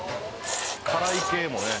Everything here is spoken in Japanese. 辛い系もね